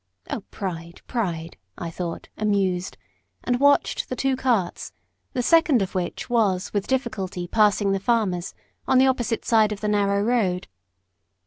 "Oh, pride, pride!" I thought, amused, and watched the two carts, the second of which was with difficulty passing the farmer's, on the opposite side of the narrow road.